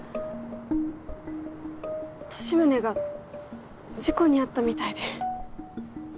利宗が事故に遭ったみたいで。